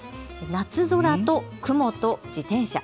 夏空と雲と自転車。